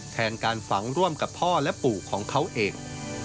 แทนการฝังร่วมกับพ่อและปู่ของเขาเอง